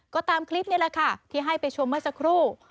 ก็ตามคลิปนี้แหละค่ะที่ให้ไปชมเมื่อสักครู่